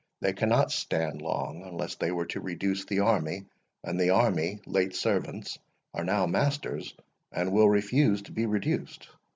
They cannot stand long unless they were to reduce the army; and the army, late servants, are now masters, and will refuse to be reduced.